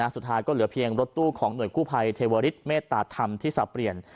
สุดท้ายก็เหลือเพียงรถตู้ของหน่วยกู้ภัยเทวริสเมตตาธรรมที่สับเปลี่ยน